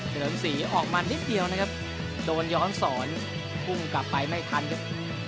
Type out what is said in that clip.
เลิมศรีออกมานิดเดียวนะครับโดนย้อนสอนพุ่งกลับไปไม่ทันครับ